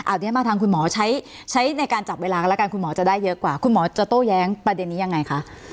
อันนี้มาทางคุณหมอใช้ในการจับเวลากันแล้วกันคุณหมอจะได้เยอะกว่าคุณหมอจะโต้แย้งประเด็นนี้ยังไงคะ